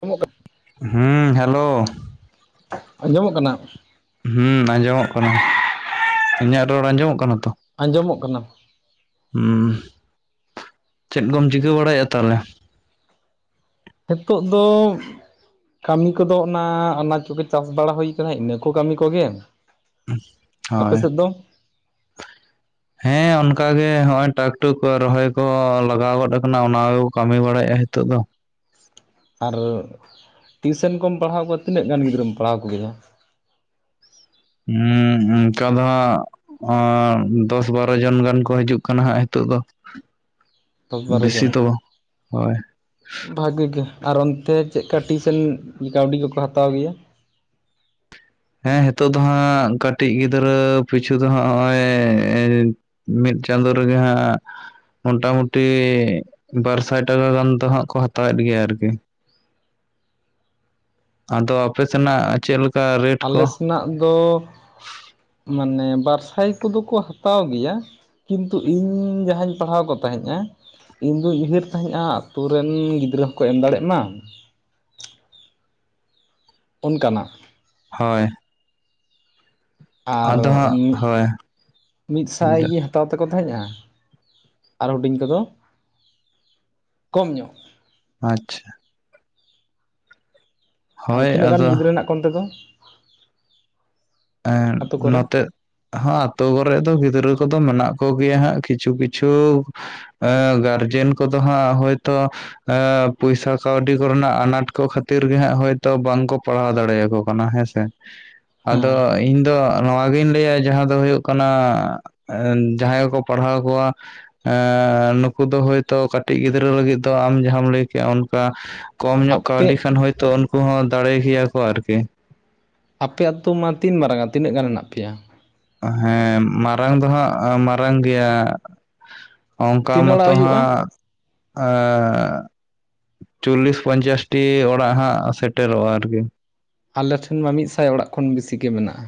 ᱟᱸᱡᱚᱢᱚᱜ ᱠᱟᱱᱟ? ᱦᱩᱸ ᱦᱮᱞᱳᱣ᱾ ᱟᱸᱡᱚᱢᱚᱜ ᱠᱟᱱᱟ᱾ ᱦᱩᱸ ᱟᱸᱡᱚᱢᱚᱜ ᱠᱟᱱᱟ, [inaudible] ᱤᱧᱟᱹᱜ ᱨᱚᱲ ᱟᱸᱡᱚᱢᱚᱜ ᱠᱟᱱᱟ ᱛᱚ? ᱟᱸᱡᱚᱢᱚᱜ ᱠᱟᱱᱟ᱾ ᱩᱸ ᱪᱮᱫ ᱠᱚᱢ ᱪᱤᱠᱟᱹ ᱵᱟᱲᱟᱭᱮᱜ-ᱟ ᱛᱟᱦᱚᱞᱮ? ᱦᱤᱸᱛᱚᱜ ᱫᱚᱼᱼ ᱠᱟᱢᱤ ᱠᱚᱫᱚ ᱚᱱᱟ ᱚᱱᱟᱡ ᱠᱚᱜᱮ ᱪᱟᱥ ᱵᱟᱲᱟ ᱦᱩᱭ ᱠᱟᱱᱟ ᱤᱱᱟᱹ ᱠᱚ ᱠᱟᱢᱤ ᱠᱚᱜᱮ᱾ ᱟᱯᱮ ᱦᱳᱭ ᱥᱮᱫ ᱫᱚ ᱦᱮᱸ ᱚᱱᱠᱟ ᱜᱮ ᱦᱚᱜᱼᱚᱭ ᱴᱟᱠ ᱴᱩᱠ ᱨᱚᱦᱚᱭ ᱠᱚ ᱞᱟᱜᱟᱣ ᱜᱚᱫ ᱟᱠᱟᱱᱟ ᱚᱱᱟ ᱠᱟᱹᱢᱤ ᱵᱟᱲᱟᱭᱮᱫᱼᱟ ᱱᱤᱛᱚᱜ ᱫᱚ ᱟᱨ ᱴᱤᱭᱩᱥᱮᱱ ᱠᱚᱢ ᱯᱟᱲᱦᱟᱣ ᱠᱚᱣᱟ ᱛᱤᱱᱟᱹᱜ ᱜᱟᱱ ᱜᱤᱫᱽᱨᱟᱹᱢ ᱯᱟᱲᱦᱟᱣ ᱠᱚ ᱜᱮᱭᱟ ᱦᱩᱸ ᱚᱱᱠᱟ ᱫᱚ ᱦᱟᱸᱜ ᱫᱚᱥ ᱵᱟᱨᱚ ᱡᱚᱱ ᱜᱟᱱ ᱠᱚ ᱦᱤᱡᱩᱜ ᱠᱟᱱᱟ ᱦᱟᱸᱜ ᱱᱤᱛᱚᱜ ᱫᱚ ᱫᱚᱥ ᱵᱟᱨᱚ ᱵᱮᱥᱤ ᱡᱚᱱ ᱫᱚ ᱦᱳᱭ ᱵᱷᱟᱜᱤ ᱜᱮ ᱟᱨ ᱚᱱᱛᱮ ᱪᱮᱫᱠᱟ ᱴᱤᱭᱩᱥᱮᱱ ᱠᱟᱹᱣᱰᱤ ᱠᱚᱠᱚ ᱦᱟᱛᱟᱣ ᱜᱮᱭᱟ ᱦᱮᱸ ᱱᱤᱛᱚᱜ ᱫᱚ ᱦᱟᱸᱜ ᱠᱟᱹᱴᱤᱡ ᱜᱤᱫᱽᱨᱟᱹ ᱯᱤᱪᱷᱩ ᱫᱚ ᱦᱟᱸᱜ ᱱᱚᱜᱼᱚᱭ ᱢᱤᱫ ᱪᱟᱸᱫᱳ ᱨᱮᱜᱮ ᱦᱟᱸᱜᱼᱼ ᱢᱚᱴᱟ ᱢᱩᱴᱤ ᱵᱟᱨ ᱥᱟᱭ ᱴᱟᱠᱟ ᱜᱟᱱ ᱫᱚᱦᱟᱸᱜ ᱠᱚ ᱦᱟᱛᱟᱣᱮᱫ ᱜᱮᱭᱟ ᱟᱨᱠᱤ ᱟᱫᱚ ᱟᱯᱮ ᱥᱮᱱᱟᱜ ᱪᱮᱫ ᱞᱮᱠᱟ ᱨᱮᱴ ᱟᱞᱮ ᱠᱚ ᱥᱮᱱᱟᱜ ᱫᱚ ᱢᱟᱱᱮ ᱵᱟᱨ ᱥᱟᱭ ᱠᱚᱫᱚ ᱠᱚ ᱦᱟᱛᱟᱣ ᱜᱮᱭᱟ ᱠᱤᱱᱛᱩ ᱤᱧ ᱡᱟᱦᱟᱸᱧ ᱯᱟᱲᱦᱟᱣ ᱠᱚ ᱛᱟᱦᱮᱸᱫᱼᱟ ᱤᱧᱫᱩᱧ ᱩᱭᱦᱟᱹᱨ ᱛᱟᱦᱮᱸᱫᱼᱟ ᱟᱛᱳ ᱨᱮᱱ ᱜᱤᱫᱽᱨᱟᱹ ᱦᱚᱸᱠᱚ ᱮᱢ ᱫᱟᱲᱮᱜ ᱢᱟ ᱚᱱᱠᱟᱱᱟᱜ ᱦᱳᱭ ᱟᱨ ᱟᱫᱚ ᱦᱟᱸᱜ ᱦᱳᱭ ᱢᱤᱫ ᱥᱟᱭ ᱜᱮ ᱦᱟᱛᱟᱣ ᱛᱮᱠᱚ ᱛᱟᱦᱮᱸᱜᱼᱟ ᱟᱨ ᱦᱩᱰᱤᱧ ᱠᱚᱫᱚ ᱠᱚᱢ ᱧᱚᱜ ᱟᱪᱪᱷᱟ ᱟᱫᱚ ᱛᱤᱱᱟᱹᱜ ᱜᱟᱱ ᱜᱤᱫᱽᱨᱟᱹ ᱦᱮᱱᱟᱜ ᱠᱚᱣᱟ ᱚᱱᱛᱮ ᱫᱚ ᱮᱸ ᱟᱛᱳ ᱠᱚᱨᱮ ᱱᱚᱛᱮ ᱦᱚ ᱟᱛᱳ ᱠᱚᱨᱮᱜ ᱫᱚ ᱜᱤᱫᱽᱨᱟᱹ ᱠᱚᱫᱚ ᱢᱮᱱᱟᱜ ᱠᱚᱜᱮᱭᱟ ᱦᱟᱸᱜ ᱠᱤᱪᱷᱩ ᱠᱤᱪᱷᱩ ᱮ ᱜᱟᱨᱡᱮᱱ ᱠᱚᱫᱚ ᱦᱟᱸᱜ ᱦᱳᱭᱛᱳ ᱯᱚᱭᱥᱟ ᱠᱟᱹᱣᱰᱤ ᱠᱚᱨᱮᱱᱟᱜ ᱟᱱᱟᱴ ᱠᱚ ᱠᱷᱟᱹᱛᱤᱨ ᱜᱮ ᱦᱟᱸᱜ ᱦᱳᱭᱛᱳ ᱵᱟᱝᱠᱚ ᱯᱟᱲᱦᱟᱣ ᱫᱟᱲᱮᱭᱟᱠᱚ ᱠᱟᱱᱟ ᱦᱮᱸ ᱥᱮ ᱦᱮ ᱟᱫᱚ ᱦᱮᱸ ᱤᱧ ᱫᱚ ᱱᱚᱣᱟᱜᱤᱧ ᱞᱟᱹᱭᱟ ᱡᱟᱦᱟᱸ ᱫᱚ ᱦᱩᱭᱩᱜ ᱠᱟᱱᱟ ᱡᱟᱦᱟᱸᱭ ᱠᱚᱠᱚ ᱯᱟᱲᱦᱟᱣ ᱠᱚᱣᱟ ᱮᱜ ᱱᱩᱠᱩ ᱫᱚ ᱦᱚᱭᱛᱳ ᱠᱟᱹᱴᱤᱡ ᱜᱤᱫᱽᱨᱟᱹ ᱞᱟᱹᱜᱤᱫ ᱫᱚ ᱟᱢ ᱡᱟᱦᱟᱸᱢ ᱞᱟᱹᱭ ᱠᱮᱜᱼᱟ ᱚᱱᱠᱟ ᱠᱚᱢ ᱧᱚᱜ ᱟᱯᱮ ᱠᱟᱹᱣᱰᱤ ᱠᱷᱟᱱ ᱦᱚᱭᱛᱳ ᱩᱱᱠᱩ ᱦᱚᱸ ᱫᱟᱲᱮ ᱜᱮᱭᱟ ᱠᱚ ᱟᱨᱠᱤ ᱟᱯᱮ ᱟᱛᱳ ᱢᱟ ᱛᱤᱱ ᱢᱟᱨᱟᱝᱟ ᱛᱤᱱᱟᱹᱜ ᱜᱟᱱ ᱢᱮᱱᱟᱜ ᱯᱮᱭᱟ ᱦᱮᱸ ᱢᱟᱨᱟᱝ ᱫᱚ ᱦᱟᱸᱜ ᱢᱟᱨᱟᱝ ᱜᱮᱭᱟ ᱚᱱᱠᱟ ᱛᱤᱱᱟᱹᱜ ᱚᱲᱟᱜ ᱢᱚᱛᱚ ᱦᱩᱭᱩᱜᱼᱟ ᱦᱟᱸᱜ ᱮ ᱪᱚᱞᱞᱤᱥ ᱯᱚᱧᱪᱟᱥᱴᱤ ᱚᱲᱟᱜ ᱦᱟᱸᱜ ᱥᱮᱴᱮᱨᱚᱜᱼᱟ ᱟᱨᱠᱤ ᱟᱞᱮ ᱴᱷᱮᱱ ᱢᱟ ᱢᱤᱫ ᱥᱟᱭ ᱚᱲᱟᱜ ᱠᱷᱚᱱ ᱵᱮᱥᱤ ᱜᱮ ᱢᱮᱱᱟᱜᱼᱟ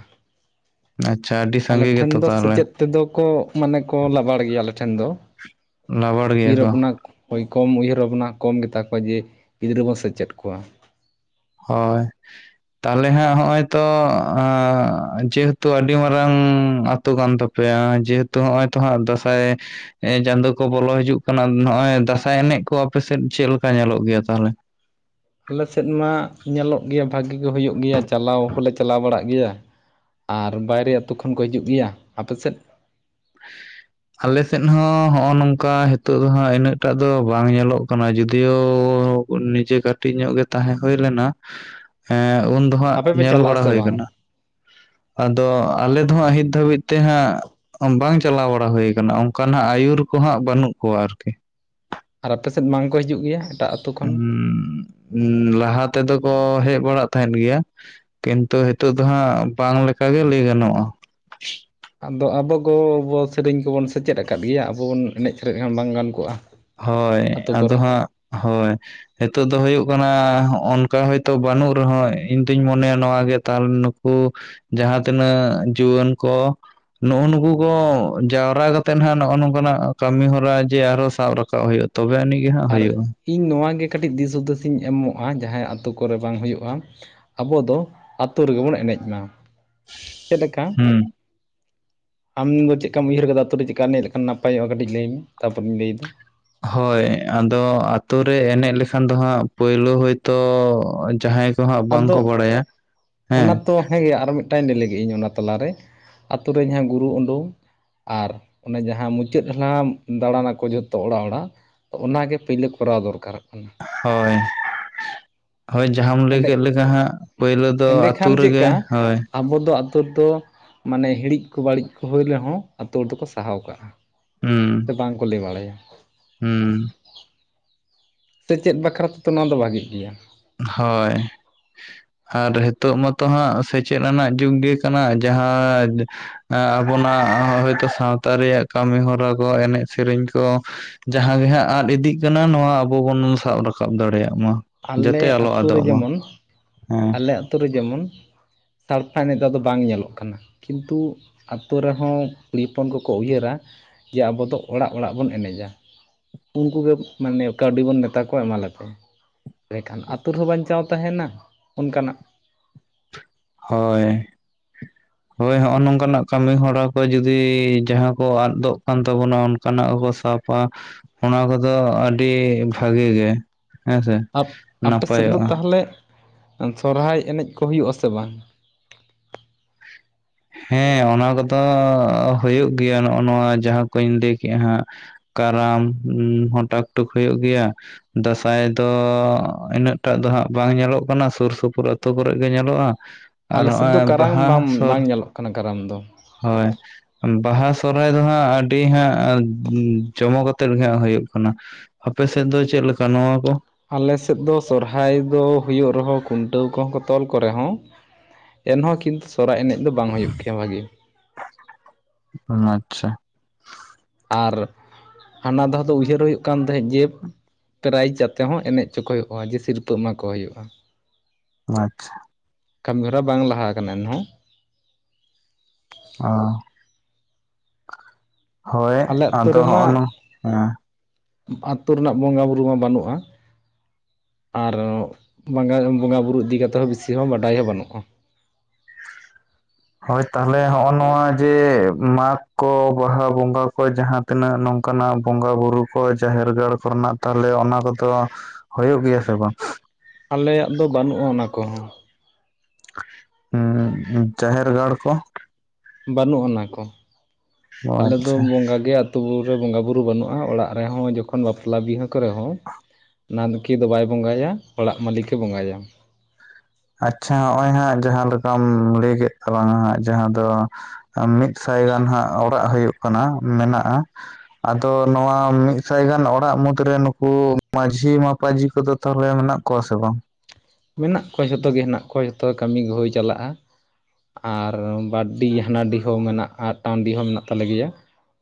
ᱟᱪᱪᱷᱟ ᱟᱹᱰᱤ ᱟᱞᱮ ᱥᱟᱸᱜᱮ ᱴᱷᱮᱱ ᱜᱮᱛᱚ ᱫᱚ ᱛᱟᱦᱚᱞᱮ ᱥᱮᱪᱮᱫ ᱛᱮᱫᱚ ᱠᱚ ᱢᱟᱱᱮ ᱠᱚ ᱞᱟᱵᱟᱲ ᱜᱮᱭᱟ ᱟᱞᱮ ᱴᱷᱮᱱ ᱫᱚ ᱞᱟᱵᱟᱲ ᱜᱮᱭᱟ ᱩᱭᱦᱟᱹᱨ ᱠᱚ ᱵᱷᱟᱵᱽᱱᱟ ᱦᱳᱭ ᱠᱚᱢ ᱩᱭᱦᱟᱹᱨ ᱵᱷᱟᱵᱱᱟ ᱠᱚᱢ ᱜᱮᱛᱟ ᱠᱚᱣᱟ ᱡᱮ ᱜᱤᱫᱽᱨᱟᱹ ᱵᱚᱱ ᱥᱮᱪᱮᱫ ᱠᱚᱣᱟ ᱦᱳᱭ ᱛᱟᱦᱞᱮ ᱦᱟᱸᱜ ᱦᱚᱜ ᱱᱚᱭ ᱛᱚ ᱡᱮᱦᱮᱛᱩ ᱟᱹᱰᱤ ᱢᱟᱨᱟᱝ ᱟᱛᱳ ᱠᱟᱱ ᱛᱟᱯᱮᱭᱟ ᱡᱮᱦᱮᱛᱩ ᱱᱚᱜᱼᱚᱭ ᱛᱚ ᱦᱟᱸᱜ ᱫᱟᱸᱥᱟᱭ ᱪᱟᱸᱫᱚ ᱠᱚ ᱵᱚᱞᱚ ᱦᱤᱡᱩᱜ ᱠᱟᱱᱟ ᱱᱚᱜᱼᱚᱭ ᱫᱟᱸᱥᱟᱭ ᱮᱱᱮᱡ ᱠᱚ ᱟᱯᱮᱥᱮᱫ ᱪᱮᱫᱞᱮᱠᱟ ᱧᱮᱞᱚᱜ ᱜᱮᱭᱟ ᱛᱟᱦᱞᱮ ᱟᱞᱮᱥᱮᱫ ᱢᱟ ᱧᱮᱞᱚᱜ ᱜᱮᱭᱟ ᱵᱷᱟᱜᱤ ᱜᱮ ᱦᱩᱭᱩᱜ ᱜᱮᱭᱟ ᱪᱟᱞᱟᱣ ᱦᱚᱞᱮ ᱪᱟᱞᱟᱣ ᱵᱟᱲᱟᱜ ᱜᱮᱭᱟ ᱟᱨ ᱵᱟᱭᱨᱮ ᱟᱹᱛᱩ ᱠᱷᱚᱱ ᱠᱚ ᱦᱤᱡᱩᱜ ᱜᱮᱭᱟ ᱟᱯᱮᱥᱮᱫ [unintelligible] ᱟᱞᱮᱥᱮᱫ ᱦᱚᱸ ᱦᱚᱜᱼᱚᱭ ᱱᱚᱝᱠᱟ ᱱᱤᱛᱚᱜ ᱫᱚ ᱦᱟᱜ ᱤᱱᱟᱹᱜᱴᱟᱜ ᱫᱚ ᱵᱟᱝ ᱧᱮᱞᱚᱜ ᱠᱟᱱᱟ ᱡᱩᱫᱤᱭᱳ ᱩᱱ ᱱᱤᱡᱮ ᱠᱟᱹᱴᱤᱡ ᱧᱚᱜ ᱜᱮ ᱛᱟᱦᱮᱸ ᱦᱩᱭ ᱞᱮᱱᱟ ᱦᱮᱸ ᱩᱱ ᱫᱚ ᱦᱟᱜ ᱟᱯᱮ ᱯᱮ ᱧᱮᱞ ᱪᱟᱞᱟᱜ ᱵᱟᱲᱟ ᱟᱥᱮ ᱦᱩᱭ ᱵᱟᱝ ᱟᱠᱟᱱᱟ ᱟᱫᱚ ᱟᱞᱮ ᱫᱚ ᱦᱟᱸᱜ ᱱᱤᱛ ᱫᱷᱟᱹᱵᱤᱡ ᱛᱮ ᱦᱟᱸᱜ ᱵᱟᱝ ᱪᱟᱞᱟᱣ ᱵᱟᱲᱟ ᱦᱩᱭ ᱟᱠᱟᱱᱟ ᱚᱱᱠᱟ ᱱᱷᱟᱜ ᱟᱹᱭᱩᱨ ᱠᱚ ᱦᱟᱸᱜ ᱵᱟᱹᱱᱩᱜ ᱠᱚᱣᱟ ᱟᱨᱠᱤ ᱟᱨ ᱟᱯᱮ ᱥᱮᱫ ᱵᱟᱝ ᱠᱚ ᱦᱤᱡᱩᱜ ᱜᱮᱭᱟ ᱮᱴᱟᱜ ᱟᱹᱛᱩ ᱠᱷᱚᱱ ᱩᱸ ᱞᱟᱦᱟ ᱛᱮᱫᱚ ᱠᱚ ᱦᱮᱡ ᱵᱟᱲᱟᱜ ᱛᱟᱦᱮᱫ ᱜᱮᱭᱟ ᱠᱤᱱᱛᱩ ᱦᱤᱛᱚᱜ ᱫᱚ ᱦᱟᱸᱜ ᱵᱟᱝ ᱞᱮᱠᱟ ᱜᱮ ᱞᱟᱹᱭ ᱜᱟᱱᱚᱜ-ᱟ ᱟᱫᱚ ᱟᱵᱚ ᱠᱚ ᱵᱚ ᱥᱮᱨᱮᱧ ᱠᱚᱵᱚᱱ ᱥᱮᱪᱮᱫ ᱟᱠᱟᱫ ᱜᱮᱭᱟ ᱟᱵᱚ ᱵᱚᱱ ᱮᱱᱮᱡ ᱥᱮᱨᱮᱧ ᱞᱮᱠᱷᱟᱱ ᱵᱟᱝ ᱜᱟᱱ ᱠᱚᱜ-ᱟ ᱦᱚᱭ ᱟᱫᱚ ᱦᱟᱸᱜ ᱦᱚᱭ ᱦᱤᱛᱚᱜ ᱫᱚ ᱦᱩᱭᱩᱜ ᱠᱟᱱᱟ ᱦᱚᱜ-ᱚᱝ ᱠᱟ ᱦᱚᱭᱛᱚ ᱵᱟᱹᱱᱩᱜ ᱨᱮᱦᱚᱸ ᱤᱧ ᱫᱩᱧ ᱢᱚᱱᱮᱭᱟ ᱱᱚᱣᱟ ᱜᱮ ᱛᱟᱦᱚᱞᱮ ᱩᱱᱠᱩ ᱡᱟᱦᱟᱸ ᱛᱤᱱᱟᱹᱜ ᱡᱩᱣᱟᱹᱱ ᱠᱚ ᱱᱩᱜ-ᱩ ᱱᱩᱠᱩ ᱠᱚ ᱡᱟᱣᱨᱟ ᱠᱟᱛᱮᱫ ᱱᱟᱦᱟᱜ ᱱᱚᱜ-ᱚ ᱱᱚᱝ ᱠᱟᱱᱟᱜ ᱠᱟᱹᱢᱤ ᱦᱚᱨᱟ ᱡᱮ ᱟᱨᱦᱚᱸ ᱥᱟᱵ ᱨᱟᱠᱟᱵ ᱠᱟᱜ ᱦᱩᱭᱩᱜ-ᱟ ᱛᱚᱵᱮ ᱟᱹᱱᱤᱡ ᱜᱮ ᱦᱟᱸᱜ ᱟᱨ ᱦᱩᱭᱩᱜ-ᱟ ᱤᱧ ᱱᱚᱣᱟ ᱜᱮ ᱠᱟᱹᱴᱤᱡ ᱫᱤᱥ ᱦᱩᱫᱤᱥ ᱤᱧ ᱮᱢᱚᱜ-ᱟ ᱡᱟᱦᱟᱸᱭ ᱟᱛᱳ ᱠᱚᱨᱮ ᱵᱟᱝ ᱦᱩᱭᱩᱜ-ᱟ ᱟᱵᱚ ᱫᱚ ᱟᱛᱳ ᱨᱮᱜᱮ ᱵᱚᱱ ᱮᱱᱮᱡ ᱢᱟ ᱪᱮᱫ ᱞᱮᱠᱟ ᱦᱩᱸ ᱟᱢᱫᱚ ᱪᱮᱫ ᱠᱟᱢ ᱩᱭᱦᱟᱹᱨ ᱟᱠᱟᱫᱟ ᱟᱛᱩ ᱨᱮ ᱪᱮᱫ ᱠᱟᱢ ᱮᱱᱮᱡ ᱞᱮᱠᱷᱟᱱ ᱱᱟᱯᱟᱭᱚᱜ ᱠᱟᱴᱤᱡ ᱞᱟᱹᱭ ᱟᱹᱧ ᱢᱮ ᱛᱟᱯᱚᱨᱮᱧ ᱞᱟᱹᱭ ᱮᱫᱟ ᱦᱳᱭ ᱟᱫᱚ ᱟᱛᱳ ᱨᱮ ᱮᱱᱮᱡ ᱞᱮᱠᱷᱟᱱ ᱫᱚ ᱦᱟᱸᱜ ᱯᱳᱭᱞᱳ ᱦᱳᱭ ᱛᱚ ᱡᱟᱦᱟᱸᱭ ᱛᱚ ᱦᱟᱸᱜ ᱵᱟᱝᱠᱚ ᱵᱟᱲᱟᱭᱟ ᱦᱮᱸ ᱦᱮᱸ ᱜᱮ ᱟᱨ ᱢᱤᱫ [unintelligible] ᱞᱟᱹᱜᱤᱫ ᱤᱧ ᱚᱱᱟ ᱛᱟᱞᱟᱨᱮ ᱟᱛᱳ ᱨᱮ ᱡᱟᱦᱟᱸ ᱜᱩᱨᱩ ᱩᱰᱩᱝ ᱟᱨ ᱚᱱᱮ ᱡᱟᱦᱟᱸ ᱢᱩᱪᱟᱹᱫ ᱢᱟᱦᱟ ᱫᱟᱸᱬᱟ ᱱᱟᱠᱚ ᱡᱷᱚᱛᱚ ᱚᱲᱟᱜ ᱚᱲᱟᱜ ᱛᱚ ᱚᱱᱟ ᱜᱮ ᱯᱟᱹᱭᱞᱟᱹ ᱠᱚᱨᱟᱣ ᱫᱚᱨᱠᱟ ᱨᱚᱜ ᱠᱟᱱᱟ ᱦᱚᱭ ᱦᱚᱭ ᱡᱟᱦᱟᱸᱢ ᱞᱟᱹᱭ ᱮᱸᱰᱮ ᱠᱮᱫ ᱞᱮᱠᱟ ᱦᱟᱸᱜ ᱯᱟᱹᱭᱞᱟᱹ ᱫᱚ ᱟᱹᱛᱩ ᱮᱸᱰᱮᱠᱷᱟᱱ ᱨᱮᱜᱮ ᱪᱮᱫᱠᱟ ᱦᱚᱭ ᱟᱵᱚ ᱫᱚ ᱟᱹᱛᱩ ᱛᱚ ᱢᱟᱱᱮ ᱦᱤᱲᱤᱡ ᱠᱚ ᱵᱟᱹᱲᱤᱡ ᱠᱚ ᱦᱩᱭ ᱨᱮᱦᱚᱸ ᱟᱛᱳ ᱦᱚᱲ ᱫᱚᱠᱚ ᱥᱟᱦᱟᱣ ᱠᱟᱜ-ᱟ ᱦᱩᱸ ᱵᱟᱲᱟᱭᱟ ᱦᱩᱸ ᱥᱮᱪᱮᱫ ᱵᱟᱠᱷᱨᱟ ᱛᱮᱫᱚ ᱱᱚᱣᱟ ᱫᱚ ᱵᱷᱟᱜᱤᱜ ᱜᱮᱭᱟ ᱦᱚᱭ ᱟᱨ ᱦᱤᱛᱳᱜ ᱢᱟᱛᱚ ᱦᱟᱸᱜ ᱥᱮᱪᱮᱫ ᱨᱮᱱᱟᱜ ᱡᱩᱜᱽ ᱜᱮ ᱠᱟᱱᱟ ᱡᱟᱦᱟᱸ ᱮᱸ ᱟᱵᱚᱱᱟᱜ ᱦᱳᱭᱛᱚ ᱥᱟᱶᱛᱟ ᱨᱮᱭᱟᱜ ᱠᱟᱹᱢᱤ ᱦᱚᱨᱟ ᱠᱚ ᱮᱱᱮᱡ ᱥᱮᱨᱮᱧ ᱠᱚ ᱡᱟᱦᱟᱸ ᱜᱮ ᱦᱟᱸᱜ ᱟᱫ ᱤᱫᱤᱜ ᱠᱟᱱᱟ ᱱᱚᱣᱟ ᱟᱵᱚ ᱵᱚᱱ ᱥᱟᱵ ᱨᱟᱠᱟᱵ ᱫᱟᱲᱮᱭᱟᱜ ᱢᱟ ᱟᱞᱮ ᱡᱟᱛᱮ ᱟᱞᱚ ᱟᱹᱛᱩ ᱨᱮ ᱟᱫᱚᱜ ᱢᱟ ᱡᱮᱢᱚᱱ ᱦᱮᱸ ᱟᱞᱮ ᱟᱹᱛᱩ ᱨᱮ ᱡᱮᱢᱚᱱ ᱥᱟᱲᱯᱟ ᱮᱱᱮᱡ ᱫᱚ ᱟᱫᱚ ᱵᱟᱝ ᱧᱮᱞᱚᱜ ᱠᱟᱱᱟ ᱠᱤᱱᱛᱩ ᱟᱛᱳ ᱨᱮᱦᱚᱸ ᱠᱩᱲᱤ ᱦᱚᱯᱚᱱ ᱠᱚᱠᱚ ᱩᱭᱦᱟᱹᱨᱟ ᱡᱮ ᱟᱵᱚ ᱫᱚ ᱚᱲᱟᱜ ᱚᱲᱟᱜ ᱵᱚᱱ ᱮᱱᱮᱡᱟ ᱩᱱᱠᱩ ᱜᱮ ᱢᱟᱱᱮ ᱠᱟᱹᱣᱰᱤ ᱵᱚᱱ ᱢᱮᱛᱟ ᱠᱚᱣᱟ ᱮᱢᱟ ᱞᱮᱯᱮ ᱞᱮᱠᱷᱟᱱ ᱟᱛᱳ ᱨᱮᱦᱚᱸ ᱵᱟᱧᱪᱟᱣ ᱛᱟᱦᱮᱱᱟ ᱚᱱᱠᱟᱱᱟᱜ ᱦᱚᱭ ᱦᱳᱭ ᱦᱚᱜ-ᱚ ᱱᱚᱝᱠᱟᱱᱟᱜ ᱠᱟᱹᱢᱤ ᱦᱚᱨᱟ ᱠᱚ ᱡᱩᱫᱤ ᱡᱟᱦᱟᱸ ᱠᱚ ᱟᱫᱚᱜ ᱠᱟᱱ ᱛᱟᱵᱚᱱᱟ ᱚᱱᱠᱟᱱᱟᱜ ᱠᱚ ᱥᱟᱵ ᱟ ᱚᱱᱟ ᱠᱚᱫᱚ ᱟᱹᱰᱤ ᱵᱷᱟᱜᱮ ᱜᱮ ᱦᱮᱸ ᱥᱮ ᱟᱯᱮ ᱥᱮᱫ ᱫᱚ ᱱᱟᱯᱟᱭᱚᱜ-ᱟ ᱛᱟᱦᱚᱞᱮ ᱥᱚᱨᱦᱟᱭ ᱮᱱᱮᱡ ᱠᱚ ᱦᱩᱭᱩᱜ-ᱟ ᱥᱮ ᱵᱟᱝ ᱦᱮᱸ ᱚᱱᱟ ᱠᱚᱫᱚ ᱦᱩᱭᱩᱜ ᱜᱮᱭᱟ ᱱᱚᱜ-ᱚ ᱱᱚᱣᱟ ᱡᱟᱦᱟᱸ ᱠᱚᱧ ᱞᱟᱹᱭ ᱠᱮᱜ-ᱟ ᱦᱟᱸᱜ ᱠᱟᱨᱟᱢ ᱦᱚᱸ ᱴᱟᱠ ᱴᱩᱠ ᱦᱩᱭᱩᱜ ᱜᱮᱭᱟ ᱫᱟᱸᱥᱟᱭ ᱫᱚ ᱤᱱᱟᱹᱜ ᱴᱟᱜ ᱫᱚ ᱦᱟᱸᱜ ᱵᱟᱝ ᱧᱮᱞᱚᱜ ᱠᱟᱱᱟ ᱥᱩᱨ ᱥᱩᱯᱩᱨ ᱟᱹᱛᱩ ᱠᱚᱨᱮ ᱜᱮ ᱧᱮᱞᱚᱜ-ᱟ ᱟᱨ ᱟᱞᱮ ᱥᱮᱫ ᱱᱚᱜ-ᱚᱭ ᱫᱚ ᱠᱟᱨᱟᱢ ᱵᱟᱦᱟ ᱵᱟᱝ ᱥᱚᱨ ᱵᱟᱝ ᱧᱮᱞᱚᱜ ᱠᱟᱱᱟ ᱠᱟᱨᱟᱢ ᱫᱚ ᱦᱚᱭ ᱵᱟᱦᱟ ᱥᱚᱨᱦᱟᱭ ᱫᱚ ᱦᱟᱸᱜ ᱟᱹᱰᱤ ᱦᱟᱸᱜ ᱡᱚᱢᱚᱠ ᱟᱛᱮᱫ ᱜᱮ ᱦᱟᱸᱜ ᱦᱩᱭᱩᱜ ᱠᱟᱱᱟ ᱟᱯᱮ ᱥᱮᱫ ᱫᱚ ᱪᱮᱫ ᱞᱮᱠᱟ ᱱᱚᱣᱟ ᱠᱚ ᱟᱞᱮ ᱥᱮᱫ ᱫᱚ ᱥᱚᱨᱦᱟᱭ ᱫᱚ ᱦᱩᱭᱩᱜ ᱨᱮᱦᱚᱸ ᱠᱷᱩᱱᱴᱟᱹᱣ ᱠᱚᱦᱚᱸ ᱠᱚ ᱛᱚᱞ ᱠᱚ ᱨᱮᱦᱚᱸ ᱮᱱᱦᱚᱸ ᱠᱤᱱᱛᱩ ᱥᱚᱦᱨᱟᱭ ᱮᱱᱮᱡ ᱫᱚ ᱵᱟᱝ ᱦᱳᱭᱳᱜ ᱜᱮᱭᱟ ᱵᱷᱟᱜᱮ ᱟᱪᱪᱷᱟ ᱟᱨ ᱦᱟᱱᱟ ᱫᱷᱟᱣ ᱫᱚ ᱩᱭᱦᱟᱹᱨ ᱦᱩᱭᱩᱜ ᱠᱟᱱ ᱛᱟᱦᱮᱸᱫ ᱡᱮ ᱯᱨᱟᱭᱤᱡᱽ ᱟᱛᱮ ᱦᱚᱸ ᱮᱱᱮᱡ ᱚᱪᱚ ᱠᱚ ᱦᱩᱭᱩᱜ-ᱟ ᱡᱮ ᱥᱤᱨᱯᱟᱹ ᱮᱢᱟᱠᱚ ᱦᱩᱭᱩᱜ-ᱟ ᱟᱪᱪᱷᱟ ᱠᱟᱹᱢᱤ ᱦᱚᱨᱟ ᱵᱟᱝ ᱞᱟᱦᱟ ᱠᱟᱱᱟ ᱮᱱᱦᱚᱸ ᱚ ᱦᱳᱭ-ᱮ ᱟᱞᱮ ᱟᱛᱳ ᱟᱫᱚ ᱦᱚᱜ-ᱱᱚ ᱨᱮᱢᱟ ᱦᱮᱸ ᱟᱛᱳ ᱨᱮᱱᱟᱜ ᱵᱚᱸᱜᱟ ᱵᱩᱨᱩ ᱢᱟ ᱵᱟᱹᱱᱩᱜ-ᱟ ᱟᱨ ᱵᱚᱸᱜᱟ ᱵᱩᱨᱩ ᱤᱫᱤ ᱠᱟᱛᱮ ᱦᱚᱸ ᱵᱤᱥᱤ ᱦᱚᱸ ᱵᱟᱰᱟᱭ ᱦᱚᱸ ᱵᱟᱹᱱᱩᱜ-ᱟ ᱦᱚᱭ ᱛᱟᱦᱚᱞᱮ ᱦᱚᱜ-ᱚ ᱱᱚᱣᱟ ᱡᱮ ᱢᱟᱜᱽ ᱠᱚ ᱵᱟᱦᱟ ᱵᱚᱸᱜᱟ ᱠᱚ ᱡᱟᱦᱟᱸ ᱛᱤᱱᱟᱹᱜ ᱱᱚᱝᱠᱟᱱᱟᱜ ᱵᱚᱸᱜᱟ ᱵᱩᱨᱩ ᱠᱚ ᱡᱟᱦᱮᱨ ᱜᱟᱲ ᱠᱚ ᱨᱮᱱᱟᱜ ᱛᱟᱦᱚᱞᱮ ᱚᱱᱟ ᱠᱚᱫᱚ ᱦᱳᱭᱳᱜ ᱜᱮᱭᱟ ᱥᱮ ᱵᱟᱝ ᱟᱞᱮᱭᱟᱜ ᱫᱚ ᱵᱟᱹᱱᱩᱜ-ᱟ ᱚᱱᱟ ᱠᱚᱦᱚᱸ ᱦᱩᱸ ᱡᱟᱦᱮᱨ ᱜᱟᱲ ᱠᱚ ᱵᱟᱹᱱᱩᱜ ᱚᱱᱟ ᱠᱚ ᱚ ᱟᱞᱮᱫᱚ ᱟᱪᱪᱷᱟ ᱵᱚᱸᱜᱟ ᱜᱮ ᱟᱹᱛᱩ ᱨᱮ ᱵᱚᱸᱜᱟ ᱵᱩᱨᱩ ᱵᱟᱹᱱᱩᱜ-ᱟ ᱚᱲᱟᱜ ᱨᱮᱦᱚᱸ ᱡᱚᱠᱷᱚᱱ ᱵᱟᱯᱞᱟ ᱵᱤᱦᱟᱹ ᱠᱚᱨᱮ ᱦᱚᱸ [unintelligible] ᱫᱚ ᱵᱟᱭ ᱵᱚᱸᱜᱟᱭᱟ ᱚᱲᱟᱜ ᱢᱟᱹᱞᱤᱠ ᱜᱮ ᱵᱚᱸᱜᱟᱭᱟ ᱟᱪᱪᱷᱟ ᱦᱚᱜ-ᱚᱭ ᱦᱟᱸᱜ ᱡᱟᱦᱟᱸ ᱞᱮᱠᱟᱢ ᱞᱟᱹᱭ ᱠᱮᱜ ᱛᱟᱞᱟᱝᱟ ᱦᱟᱸᱜ ᱡᱟᱦᱟᱸ ᱫᱚ ᱢᱤᱫ ᱥᱟᱭ ᱜᱟᱱ ᱦᱟᱸᱜ ᱚᱲᱟᱜ ᱦᱳᱭᱳᱜ ᱠᱟᱱᱟ ᱢᱮᱱᱟᱜᱼᱟ ᱟᱫᱚ ᱱᱚᱣᱟ ᱢᱤᱫ ᱥᱟᱭ ᱜᱟᱱ ᱚᱲᱟᱜ ᱢᱩᱫᱽᱨᱮ ᱱᱩᱠᱩ ᱢᱟᱹᱡᱷᱤ ᱢᱟᱯᱟᱡᱷᱤ ᱠᱚᱫᱚ [unintelligible] ᱨᱮ ᱢᱮᱱᱟᱜ ᱠᱚᱣᱟ ᱥᱮ ᱵᱟᱝ ᱢᱮᱱᱟᱜ ᱠᱚᱣᱟ ᱡᱷᱚᱛᱚ ᱜᱮ ᱦᱮᱱᱟᱜ ᱠᱚᱣᱟ ᱡᱷᱚᱛᱚ ᱠᱟᱹᱢᱤ ᱜᱮ ᱦᱳᱭ ᱪᱟᱞᱟᱜᱼᱟ ᱟᱨ ᱵᱟᱨᱰᱤ ᱦᱟᱱᱟᱰᱤ ᱦᱚᱸ ᱢᱮᱱᱟᱜᱼᱟ ᱟᱜᱴᱟᱝ ᱰᱤ ᱦᱚᱸ ᱢᱮᱱᱟᱜ ᱛᱟᱞᱮ ᱜᱮᱭᱟ᱾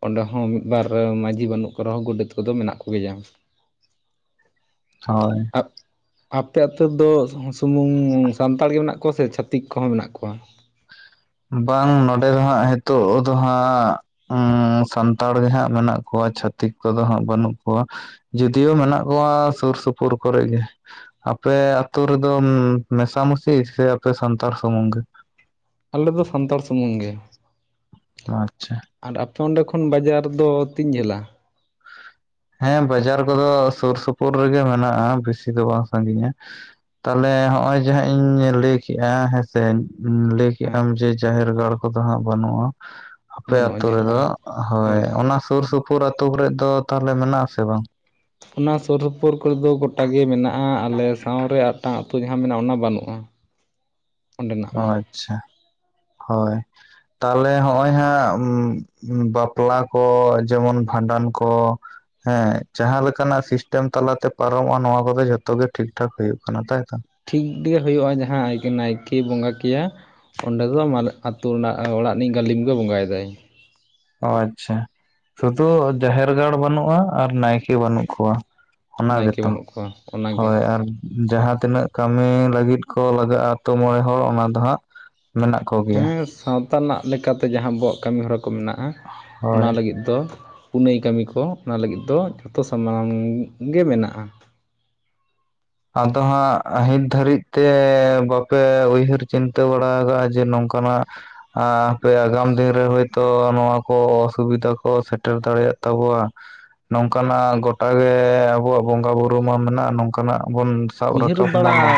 ᱚᱸᱰᱮ ᱦᱚᱸ ᱢᱤᱫ ᱵᱟᱨ ᱢᱟᱹᱡᱷᱤ ᱵᱟᱹᱱᱩᱜ ᱠᱚ ᱨᱮᱦᱚᱸ ᱜᱚᱰᱮᱛ ᱠᱚᱫᱚ ᱢᱮᱱᱟᱜ ᱠᱚᱜᱮᱭᱟ᱾ ᱦᱳᱭ ᱟᱯᱮ ᱟᱛᱳ ᱨᱮᱫᱚ ᱥᱩᱢᱩᱝ ᱥᱟᱱᱛᱟᱲ ᱜᱮ ᱢᱮᱱᱟᱜ ᱠᱚᱣᱟ ᱥᱮ ᱪᱷᱟᱛᱤᱠ ᱠᱚᱦᱚᱸ ᱢᱮᱱᱟᱜ ᱠᱚᱣᱟ ᱵᱟᱝ ᱱᱚᱸᱰᱮ ᱫᱚ ᱦᱟᱸᱜ ᱦᱮᱛᱳᱜ ᱫᱚ ᱦᱟᱸᱜ ᱩᱸ ᱥᱟᱱᱛᱟᱲ ᱜᱮ ᱦᱟᱸᱜ ᱢᱮᱱᱟᱜ ᱠᱚᱣᱟ ᱪᱷᱟᱹᱛᱤᱠ ᱠᱚᱫᱚ ᱦᱟᱸᱜ ᱵᱟᱹᱱᱩᱜ ᱠᱚᱣᱟ ᱡᱚᱫᱤᱭᱳ ᱢᱮᱱᱟᱜ ᱠᱚᱣᱟ ᱥᱩᱨ ᱥᱩᱯᱩᱨ ᱠᱚᱨᱮᱜ ᱜᱮ ᱟᱯᱮ ᱟᱛᱳ ᱨᱮᱫᱚ ᱢᱮᱥᱟᱢᱤᱥᱤ ᱥᱮ ᱟᱯᱮ ᱥᱟᱱᱛᱟᱲ ᱥᱩᱢᱩᱝ ᱜᱮ ᱟᱞᱮ ᱫᱚ ᱥᱟᱱᱛᱟᱲ ᱥᱩᱢᱩᱝ ᱜᱮ ᱟᱪᱪᱷᱟ ᱟᱨ ᱟᱯᱮ ᱚᱸᱰᱮ ᱠᱷᱚᱱ ᱵᱟᱡᱟᱨ ᱫᱚ ᱛᱤᱧ ᱡᱷᱟᱹᱞᱟ? ᱦᱮᱸ ᱵᱟᱡᱟᱨ ᱠᱚᱫᱚ ᱥᱳᱨ ᱥᱳᱯᱳᱨ ᱨᱮᱜᱮ ᱢᱮᱱᱟᱜᱼᱟ, ᱵᱮᱥᱤ ᱫᱚ ᱵᱟᱝ ᱥᱟᱺᱜᱤᱧᱟ ᱛᱟᱦᱚᱞᱮ ᱦᱚᱜᱼᱚᱭ ᱡᱮ ᱦᱟᱸᱜ ᱤᱧ ᱞᱟᱹᱭ ᱠᱮᱜᱼᱟ ᱦᱮᱸᱥᱮ ᱞᱟᱹᱭ ᱠᱮᱜ ᱟᱢ ᱦᱮᱸ ᱡᱮ ᱡᱟᱦᱮᱨ ᱜᱟᱲ ᱠᱚᱫᱚ ᱦᱟᱸᱜ ᱵᱟᱹᱱᱩᱜᱼᱟ ᱟᱯᱮ ᱵᱟᱹᱱᱩᱜᱼᱟ ᱟᱛᱳ ᱨᱮᱫᱚ ᱡᱟᱦᱟᱸ ᱦᱳᱭ ᱵᱟᱹᱱᱩᱜᱼᱟ ᱚᱱᱟ ᱥᱩᱨ ᱥᱩᱯᱩᱨ ᱟᱛᱳ ᱠᱚᱨᱮᱫ ᱫᱚ ᱛᱟᱦᱚᱞᱮ ᱢᱮᱱᱟᱜ ᱟᱥᱮ ᱵᱟᱝ ᱚᱱᱟ ᱥᱩᱨ ᱥᱩᱯᱩᱨ ᱠᱚᱨᱮ ᱫᱚ ᱜᱚᱴᱟ ᱜᱮ ᱢᱮᱱᱟᱜᱼᱟ ᱟᱞᱮ ᱥᱟᱶᱨᱮ ᱟᱜᱴᱟᱝ ᱟ ᱟᱹᱛᱩ ᱡᱟᱦᱟᱸ ᱢᱮᱱᱟᱜᱼᱟ ᱚᱱᱟ ᱵᱟᱹᱱᱩᱜᱼᱟ ᱚᱸᱰᱮᱱᱟᱜ ᱚ ᱦᱚᱸ ᱟᱪᱪᱷᱟ ᱦᱳᱭ ᱛᱟᱦᱚᱞᱮ ᱦᱚᱜᱼᱚᱭ ᱦᱟᱸᱜ ᱵᱟᱯᱞᱟ ᱠᱚ ᱡᱮᱢᱚᱱ ᱵᱷᱟᱸᱰᱟᱱ ᱠᱚ ᱦᱮᱸ ᱡᱟᱦᱟᱸ ᱞᱮᱠᱟᱱᱟᱜ ᱥᱤᱥᱴᱮᱢ ᱛᱟᱞᱟᱛᱮ ᱯᱟᱨᱚᱢᱚᱜᱼᱟ ᱱᱚᱣᱟ ᱠᱚᱫᱚ ᱡᱷᱚᱛᱚ ᱜᱮ ᱴᱷᱤᱠ ᱴᱷᱟᱠ ᱦᱳᱭᱳᱜ ᱠᱟᱱᱟ ᱛᱟᱭᱛᱚ ᱴᱷᱤᱠ ᱜᱮ ᱦᱳᱭᱳᱜᱼᱟ ᱡᱟᱦᱟᱸ ᱱᱟᱭᱠᱮ ᱵᱚᱸᱜᱟ ᱠᱮᱭᱟ ᱚᱸᱰᱮ ᱫᱚ [unintelligible] ᱟᱛᱳ ᱨᱮᱱᱟᱜ ᱚᱲᱟᱜ ᱨᱤᱱᱤᱡ ᱜᱟᱹᱞᱤᱢ ᱜᱮ ᱵᱚᱸᱜᱟᱭ ᱫᱟᱭ ᱚ ᱟᱪᱪᱷᱟ ᱥᱩᱫᱩ ᱡᱟᱦᱮᱨ ᱜᱟᱲ ᱵᱟᱹᱱᱩᱜᱼᱟ ᱟᱨ ᱱᱟᱭᱠᱮ ᱵᱟᱹᱱᱩᱜ ᱠᱚᱣᱟ᱾ ᱚᱱᱟ ᱱᱟᱭᱠᱮ ᱜᱮᱛᱚ ᱵᱟᱹᱱᱩᱜ ᱠᱚᱣᱟ ᱚᱱᱟᱜᱮ ᱦᱳᱭ ᱟᱨ ᱡᱟᱦᱟᱸ ᱛᱤᱱᱟᱹᱜ ᱠᱟᱹᱢᱤ ᱞᱟᱹᱜᱤᱫ ᱠᱚ ᱞᱟᱜᱟᱜᱼᱟ ᱟᱛᱳ ᱢᱚᱬᱮ ᱦᱚᱲ ᱚᱱᱟ ᱫᱚ ᱦᱟᱸᱜ ᱢᱮᱱᱟᱜ ᱠᱚᱜᱮᱭᱟ ᱦᱮᱸ ᱥᱟᱶᱛᱟ ᱨᱮᱱᱟᱜ ᱞᱮᱠᱟᱛᱮ ᱡᱟᱦᱟᱸ ᱟᱵᱚᱣᱟᱜ ᱠᱟᱹᱢᱤᱦᱚᱨᱟ ᱠᱚ ᱢᱮᱱᱟᱜᱼᱟ ᱦᱳᱭ ᱚᱱᱟ ᱞᱟᱹᱜᱤᱫ ᱫᱚ ᱯᱩᱱᱟᱹᱭ ᱠᱟᱹᱢᱤ ᱠᱚ ᱚᱱᱟ ᱞᱟᱹᱜᱤᱫ ᱫᱚ ᱡᱷᱚᱛᱚ ᱥᱟᱢᱟᱝ ᱜᱮ ᱢᱮᱱᱟᱜᱼᱟ᱾ ᱟᱫᱚ ᱦᱟᱸᱜ ᱱᱤᱛ ᱫᱷᱟᱹᱨᱤᱡ ᱛᱮ ᱵᱟᱯᱮ ᱩᱭᱦᱟᱹᱨ ᱪᱤᱱᱛᱟᱹ ᱵᱟᱲᱟ ᱟᱠᱟᱜᱼᱟ ᱡᱮ ᱱᱚᱝ ᱠᱟᱱᱟᱜ ᱟ ᱦᱟᱯᱮ ᱟᱜᱟᱢ ᱫᱤᱱ ᱨᱮ ᱦᱳᱭᱛᱳ ᱱᱚᱣᱟ ᱠᱚ ᱚᱥᱩᱵᱤᱫᱷᱟ ᱠᱚ ᱥᱮᱴᱮᱨ ᱫᱟᱲᱮᱭᱟᱜ ᱛᱟᱵᱚᱣᱟ ᱱᱚᱝ ᱠᱟᱱᱟᱜ ᱜᱚᱴᱟᱜᱮ ᱟᱵᱚᱣᱟᱜ ᱵᱚᱸᱜᱟ ᱵᱩᱨᱩ ᱢᱟ ᱢᱮᱱᱟᱜᱼᱟ ᱱᱚᱝ ᱠᱟᱱᱟᱜ ᱵᱚᱱ ᱥᱟᱵ ᱩᱭᱦᱟᱹᱨ ᱨᱟᱠᱟᱵ ᱵᱟᱲᱟ ᱢᱟᱵᱚᱱ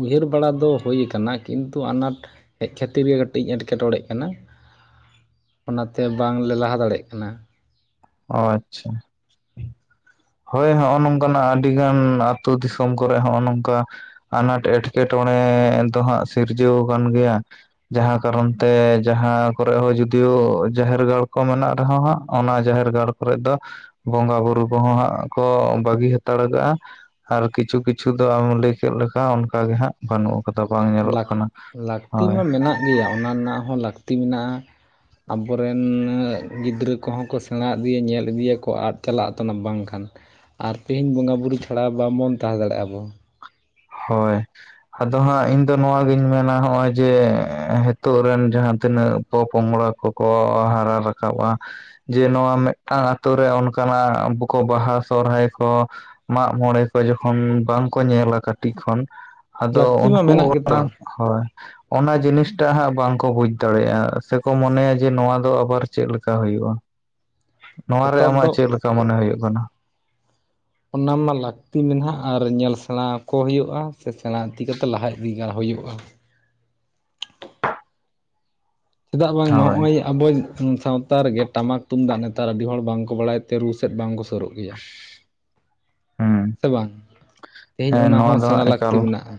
ᱩᱭᱦᱟᱹᱨ ᱵᱟᱲᱟ ᱫᱚ ᱦᱩᱭ ᱠᱟᱱᱟ ᱠᱤᱱᱛᱩ ᱟᱱᱟᱴ ᱦᱮᱡ ᱠᱷᱟᱹᱛᱤᱨ ᱜᱮ ᱠᱟᱹᱴᱤᱡ ᱤᱧ ᱮᱴᱠᱮ ᱴᱚᱬᱮᱜ ᱠᱟᱱᱟ ᱚᱱᱟᱛᱮ ᱵᱟᱝᱞᱮ ᱞᱟᱦᱟ ᱫᱟᱲᱮᱜ ᱠᱟᱱᱟ ᱚ ᱟᱪᱪᱷᱟ ᱦᱳᱭ ᱱᱚᱜᱚᱭ ᱱᱚᱝ ᱠᱟᱱᱟᱜ ᱟᱹᱰᱤᱜᱟᱱ ᱟᱹᱛᱩ ᱫᱤᱥᱚᱢ ᱠᱚᱨᱮ ᱦᱚᱸᱜᱼᱚ ᱱᱚᱝᱠᱟ ᱟᱱᱟᱴ ᱮᱸᱴᱠᱮ ᱴᱚᱬᱮ ᱫᱚ ᱦᱟᱸᱜ ᱥᱤᱨᱡᱟᱹᱣ ᱠᱟᱱ ᱜᱮᱭᱟ ᱡᱟᱦᱟᱸ ᱠᱟᱨᱚᱱ ᱛᱮ ᱡᱟᱦᱟᱸ ᱠᱚᱨᱮ ᱦᱚᱸ ᱡᱩᱫᱤᱭᱳ ᱡᱟᱦᱮᱨ ᱜᱟᱲ ᱠᱚ ᱢᱮᱱᱟᱜ ᱨᱮᱦᱚᱸ ᱦᱟᱸᱜ ᱚᱱᱟ ᱡᱟᱦᱮᱨ ᱜᱟᱲ ᱠᱚᱨᱮᱜ ᱫᱚ ᱵᱚᱸᱜᱟ ᱵᱩᱨᱩ ᱠᱚᱦᱚᱸ ᱦᱟᱸᱜ ᱠᱚ ᱵᱟᱹᱜᱤ ᱦᱟᱛᱟᱲ ᱠᱟᱜᱼᱟ ᱟᱨ ᱠᱤᱪᱷᱩ ᱠᱤᱪᱷᱩ ᱫᱚ ᱟᱢ ᱞᱟᱹᱭ ᱠᱮᱫ ᱞᱮᱠᱟ ᱚᱱᱠᱟ ᱜᱮ ᱦᱟᱸᱜ ᱵᱟᱹᱱᱩᱜ ᱠᱚᱫᱚ ᱵᱟᱝ ᱧᱮᱞᱚᱜ ᱠᱟᱱᱟ ᱞᱟᱹᱠᱛᱤ ᱦᱳᱭ ᱢᱟ ᱢᱮᱱᱟᱜ ᱜᱮᱭᱟ ᱚᱱᱟ ᱨᱮᱱᱟᱜ ᱦᱚᱸ ᱞᱟᱹᱠᱛᱤ ᱢᱮᱱᱟᱜᱼᱟ ᱟᱵᱚ ᱨᱮᱱ ᱜᱤᱫᱨᱟᱹ ᱠᱚᱦᱚᱸ ᱠᱚ ᱥᱮᱬᱟ ᱤᱫᱤᱭᱟ. ᱧᱮᱞ ᱤᱫᱤᱭᱟ. ᱠᱚ ᱟᱫ ᱪᱟᱞᱟᱜ ᱟ ᱠᱟᱱᱟ ᱵᱟᱝ ᱠᱷᱟᱱ ᱟᱨ ᱛᱮᱦᱮᱧ ᱵᱚᱸᱜᱟ ᱵᱩᱨᱩ ᱪᱷᱟᱲᱟ ᱵᱟᱝ ᱵᱚᱱ ᱛᱟᱦᱮᱸ ᱫᱟᱲᱮᱭᱟᱜᱼᱟ ᱟᱵᱚᱱ ᱦᱳᱭ ᱟᱫᱚ ᱦᱟᱸᱜ ᱤᱧ ᱫᱚ ᱱᱚᱣᱟ ᱜᱤᱧ ᱢᱮᱱᱟ ᱱᱚᱜᱼᱚᱭ ᱡᱮ ᱱᱤᱛᱚᱜ ᱨᱮᱱ ᱡᱟᱦᱟ ᱛᱤᱱᱟᱹᱜ ᱯᱚ ᱯᱚᱝᱲᱟ ᱠᱚᱠᱚ ᱦᱟᱨᱟ ᱨᱟᱠᱟᱵᱟ ᱟ ᱡᱮ ᱱᱚᱣᱟ ᱢᱤᱫ ᱴᱟᱝ ᱟᱛᱳ ᱨᱮ ᱚᱱᱠᱟ ᱱᱟᱜ ᱟᱵᱚ ᱠᱚ ᱵᱟᱦᱟ ᱥᱚᱦᱚᱨᱟᱭ ᱠᱚ ᱢᱟᱜ ᱢᱟᱬᱮ ᱠᱚ ᱡᱚᱠᱷᱚᱱ ᱵᱟᱝᱠᱚ ᱧᱮᱞᱟ ᱠᱟᱹᱴᱤᱡ ᱠᱷᱚᱱ ᱟᱫᱚ ᱞᱟᱹᱠᱛᱤ ᱢᱟ ᱩᱱᱠᱩ ᱢᱮᱱᱟᱜ ᱚᱱᱟ ᱜᱮᱛᱚ ᱦᱳᱭ ᱚᱱᱟ ᱡᱤᱱᱤᱥ ᱴᱟᱜ ᱦᱟᱸᱜ ᱵᱟᱝᱠᱚ ᱵᱩᱡ ᱫᱟᱲᱮᱭᱟᱜᱼᱟ ᱥᱮᱠᱚ ᱢᱚᱱᱮᱭᱟ ᱡᱮ ᱱᱚᱣᱟ ᱫᱚ ᱟᱵᱟᱨ ᱪᱮᱫ ᱞᱮᱠᱟ ᱦᱩᱭᱩᱜᱼᱟ ᱱᱚᱣᱟ ᱨᱮ ᱱᱮᱛᱟᱨ ᱟᱢᱟᱜ ᱫᱚ ᱪᱮᱫ ᱞᱮᱠᱟ ᱢᱚᱱᱮ ᱦᱩᱭᱩᱜ ᱠᱟᱱᱟ ᱚᱱᱟ ᱢᱟ ᱞᱟᱹᱠᱛᱤ ᱢᱮᱱᱟᱜᱼᱟ ᱟᱨ ᱧᱮᱞ ᱥᱮᱬᱟ ᱟᱠᱚ ᱦᱩᱭᱩᱜᱼᱟ ᱥᱮ ᱥᱮᱬᱟ ᱤᱫᱤ ᱠᱟᱛᱮ ᱞᱟᱦᱟ ᱤᱫᱤ ᱧᱮᱞ ᱦᱩᱭᱩᱜᱼᱟ ᱪᱮᱫᱟᱜ ᱵᱟᱝ ᱢᱟ ᱦᱳᱭ ᱱᱚᱜᱼᱚᱭ ᱟᱵᱚ ᱥᱟᱶᱛᱟ ᱨᱮᱜᱮ ᱴᱟᱢᱟᱠ ᱛᱩᱢᱫᱟᱜ ᱱᱮᱛᱟᱨ ᱟᱹᱰᱤ ᱦᱚᱲ ᱵᱟᱝ ᱠᱚ ᱵᱟᱲᱟᱭ ᱛᱮ ᱨᱩ ᱥᱮᱫ ᱵᱟᱝ ᱠᱚ ᱥᱩᱨᱩᱜᱼᱟ ᱦᱮ ᱦᱩᱸ ᱥᱮ ᱵᱟᱝ ᱛᱮᱦᱮᱧ ᱦᱮᱸ ᱚᱱᱟ ᱱᱚᱣᱟ ᱦᱚᱸ ᱫᱚ ᱦᱟᱸᱜ ᱥᱮᱬᱟ ᱞᱟᱹᱠᱛᱤ ᱮᱠᱟᱞ ᱢᱮᱱᱟᱜᱼᱟ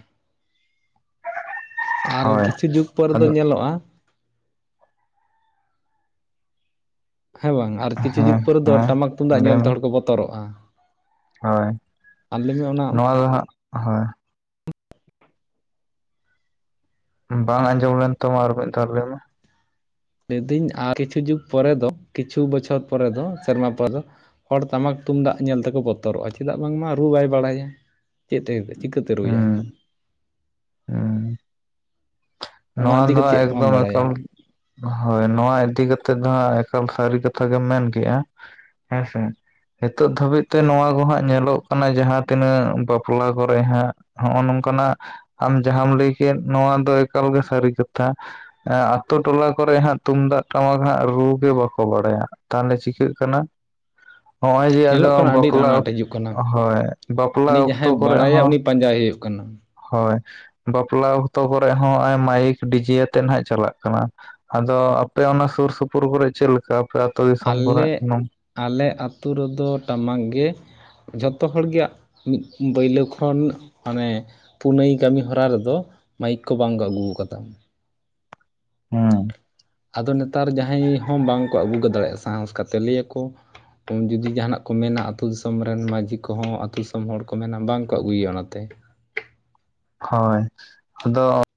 ᱟᱨ ᱦᱳᱭ ᱠᱤᱪᱷᱩ ᱡᱩᱜ ᱯᱚᱨ ᱫᱚ ᱟᱫᱚ ᱧᱮᱞᱚᱜᱼᱟ ᱦᱮᱸ ᱵᱟᱝ ᱟᱨ ᱠᱤᱪᱷᱩ ᱡᱩᱜ ᱦᱮᱸ ᱯᱚᱨ ᱫᱚ ᱦᱮᱸ ᱴᱟᱢᱟᱠ ᱛᱩᱢᱫᱟᱜ ᱞᱟᱹᱭ ᱧᱮᱞ ᱛᱮ ᱢᱮ ᱦᱚᱲ ᱠᱚ ᱵᱚᱛᱚᱨᱚᱜᱼᱟ ᱦᱳᱭ ᱟᱞᱤᱧ ᱚᱱᱟ ᱱᱚᱣᱟ ᱫᱚ ᱦᱟᱸᱜ ᱦᱳᱭ ᱵᱟᱝ ᱟᱸᱡᱚᱢ ᱞᱮᱱ ᱛᱟᱢᱟ ᱟᱨ ᱢᱤᱫ ᱫᱷᱟᱣ ᱞᱟᱹᱭ ᱢᱮ ᱞᱟᱹᱭ ᱫᱤᱧ ᱟᱨ ᱠᱤᱪᱷᱩ ᱡᱩᱜ ᱯᱚᱨᱮ ᱫᱚ ᱠᱤᱪᱷᱩ ᱵᱚᱪᱷᱚᱨ ᱯᱚᱨᱮ ᱫᱚ ᱥᱮᱨᱢᱟ ᱯᱚᱨ ᱫᱚ ᱦᱚᱲ ᱴᱟᱢᱟᱠ ᱛᱩᱢᱫᱟᱜ ᱧᱮᱞ ᱛᱮᱠᱚ ᱵᱚᱛᱚᱨᱚᱜᱼᱟ ᱪᱮᱫᱟᱜ ᱵᱟᱝ ᱢᱟ ᱨᱩ ᱵᱟᱭ ᱵᱟᱲᱟᱭᱟ ᱪᱮᱫ ᱛᱮ ᱪᱤᱠᱟᱹ ᱛᱮ ᱨᱩᱭᱟᱭ ᱦᱩᱸ ᱦᱩᱸ ᱱᱚᱣᱟ ᱤᱫᱤ ᱫᱚ ᱠᱟᱛᱮᱫ ᱪᱮᱫ ᱵᱟᱢ ᱮᱠᱫᱚᱢ ᱵᱟᱲᱟᱭᱟ ᱮᱠᱷᱚᱢ ᱦᱳᱭ ᱱᱚᱣᱟ ᱤᱫᱤ ᱠᱟᱛᱮᱜ ᱫᱚ ᱦᱟᱸᱜ ᱮᱠᱟᱞ ᱥᱟᱹᱨᱤ ᱠᱟᱛᱷᱟ ᱜᱮᱢ ᱢᱮᱱ ᱠᱮᱜᱼᱟ ᱦᱮᱸᱥᱮ ᱱᱤᱛᱚᱜ ᱫᱷᱟᱹᱵᱤᱡ ᱛᱮ ᱱᱚᱣᱟ ᱠᱚ ᱦᱟᱸᱜ ᱧᱮᱞᱚᱜ ᱠᱟᱱᱟ ᱡᱟᱦᱟᱸ ᱛᱤᱱᱟᱹᱜ ᱵᱟᱯᱞᱟ ᱠᱚᱨᱮ ᱦᱟᱸᱜ ᱦᱚ ᱱᱚᱝᱠᱟᱱᱟᱜ ᱟᱢ ᱡᱟᱦᱟᱢ ᱞᱟᱹᱭ ᱠᱮᱫ ᱱᱚᱣᱟ ᱫᱚ ᱮᱠᱟᱞ ᱜᱮ ᱥᱟᱹᱨᱤ ᱠᱟᱛᱷᱟ ᱟᱛᱳ ᱴᱚᱞᱟ ᱠᱚᱨᱮᱜ ᱦᱟᱸᱜ ᱛᱩᱢᱫᱟᱜ ᱴᱟᱢᱟᱠ ᱦᱟᱸᱜ ᱨᱩ ᱜᱮ ᱵᱟᱠᱚ ᱵᱟᱲᱟᱭᱟ ᱛᱟᱦᱚᱞᱮ ᱪᱤᱠᱟᱹᱜ ᱠᱟᱱᱟ ᱦᱚᱸᱜᱼᱚᱭ ᱡᱮ ᱟᱫᱚ ᱧᱮᱞᱚᱜ ᱠᱟᱱᱟ ᱟᱹᱰᱤ ᱵᱟᱯᱞᱟ ᱟᱱᱟᱴ ᱦᱤᱡᱩᱜ ᱠᱟᱱᱟ ᱦᱳᱭ ᱵᱟᱯᱞᱟ ᱦᱟᱹᱱᱤ ᱚᱠᱛᱚ ᱡᱟᱦᱟᱸᱭ ᱠᱚᱨᱮ ᱵᱟᱲᱟᱭᱟ ᱦᱚᱸ ᱩᱱᱤ ᱯᱟᱸᱡᱟᱭ ᱦᱩᱭᱩᱜ ᱠᱟᱱᱟ ᱦᱳᱭ ᱵᱟᱯᱞᱟ ᱚᱠᱛᱚ ᱠᱚᱨᱮ ᱦᱚᱸ ᱢᱟᱭᱤᱠ ᱰᱤᱡᱮ ᱟᱛᱮᱜ ᱱᱟᱦᱟᱜ ᱪᱟᱞᱟᱜ ᱠᱟᱱᱟ ᱟᱫᱚ ᱟᱯᱮ ᱚᱱᱟ ᱥᱩᱨ ᱥᱩᱯᱩᱨ ᱠᱚᱨᱮ ᱪᱮᱫ ᱞᱮᱠᱟ ᱟᱯᱮ ᱟᱹᱛᱩ ᱫᱤᱥᱚᱢ ᱠᱚᱨᱮ ᱟᱞᱮ ᱟᱞᱮ ᱟᱹᱛᱩ ᱨᱮᱫᱚ ᱴᱟᱢᱟᱠ ᱜᱮ ᱡᱚᱛᱚ ᱦᱚᱲ ᱜᱮ ᱢᱤᱫ ᱯᱳᱭᱞᱳ ᱠᱷᱚᱱ ᱢᱟᱱᱮ ᱯᱩᱱᱟᱹᱭ ᱠᱟᱹᱢᱤ ᱦᱚᱨᱟ ᱨᱮᱫᱚ ᱢᱟᱭᱤᱠ ᱠᱚ ᱵᱟᱝ ᱠᱚ ᱟᱹᱜᱩ ᱠᱟᱫᱟ ᱦᱮᱸ ᱟᱫᱚ ᱱᱮᱛᱟᱨ ᱡᱟᱦᱟᱸᱭ ᱦᱚᱸ ᱵᱟᱝᱠᱚ ᱟᱹᱜᱩ ᱫᱟᱲᱮᱭᱟᱜ ᱠᱟᱱᱟ ᱚᱱᱠᱟ ᱛᱮ ᱞᱟᱹᱭᱟᱠᱚ ᱡᱩᱫᱤ ᱡᱟᱦᱟᱱᱟᱜ ᱠᱚ ᱢᱮᱱᱟ ᱟ ᱟᱹᱛᱩᱳ ᱫᱤᱥᱚᱢ ᱨᱮᱱ ᱢᱟᱺᱡᱷᱤ ᱠᱚᱦᱚᱸ ᱟᱹᱛᱩ ᱫᱤᱥᱚᱢ ᱦᱚᱲ ᱠᱚ ᱢᱮᱱᱟ ᱵᱟᱝᱠᱚ ᱟᱹᱜᱩᱭᱟ ᱚᱱᱟᱛᱮ ᱦᱳᱭ ᱟᱫᱚ